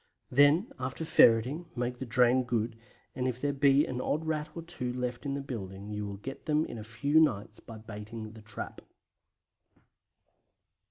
Then, after ferreting, make the drain good, and if there be an odd Rat or two left in the building you will get them in a few nights by baiting the trap.